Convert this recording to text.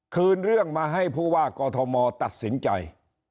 คืนเรื่องมาให้ผู้ว่ากอทมตัดสินใจ